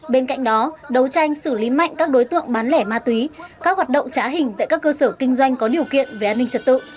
bên cạnh đó đấu tranh xử lý mạnh các đối tượng bán lẻ ma túy các hoạt động trá hình tại các cơ sở kinh doanh có điều kiện về an ninh trật tự